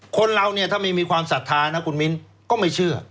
คนเราเนี่ยถ้าไม่มีความศรัทธานะคุณมิ้นก็ไม่เชื่อ